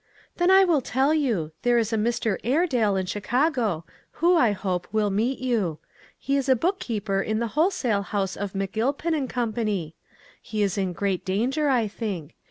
" Then I will tell you. There is a Mr. Airedale in Chicago, who, I hope, will meet you. lie is a book keeper in the whole stile house of McGilpin & Co. He is in great danger, I think.